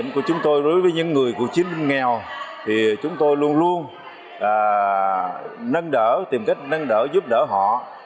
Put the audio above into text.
chúng tôi luôn luôn nâng đỡ tìm cách nâng đỡ giúp đỡ họ